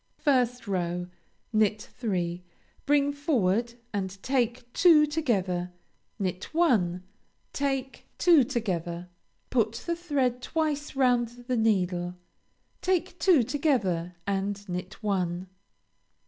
1st row Knit three; bring forward and take two together; knit one, take two together; put the thread twice round the needle, take two together, and knit one.